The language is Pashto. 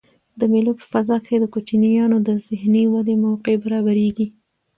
د مېلو په فضا کښي د کوچنيانو د ذهني ودي موقع برابریږي.